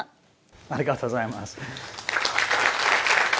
ありがとうございます。